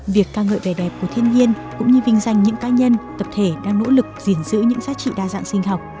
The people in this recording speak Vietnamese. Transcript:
việc ca ngợi về đẹp của thiên nhiên cũng như vinh danh những cá nhân tập thể đang nỗ lực diễn dữ những giá trị đa dạng sinh học